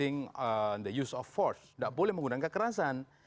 not of force tidak boleh menggunakan kekerasan